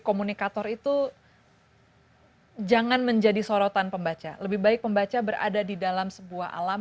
komunikator itu jangan menjadi sorotan pembaca lebih baik pembaca berada di dalam sebuah alam